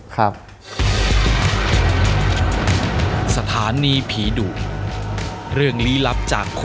ครับ